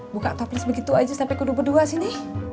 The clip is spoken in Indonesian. buka toples begitu aja sampe kedua dua sini